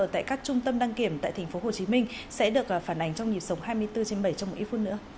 tại các trung tâm đăng kiểm tại tp hcm sẽ được phản ánh trong dịp sống hai mươi bốn h bảy trong một ít phút nữa